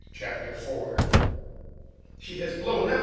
Chapter 4 "She has blown up!"